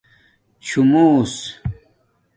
څُݸمُوس